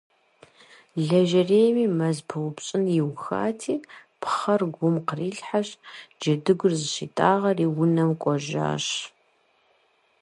Лэжьэрейми мэз пыупщӀын иухати, пхъэр гум кърилъхьэщ, джэдыгур зыщитӀагъэри унэм кӀуэжащ.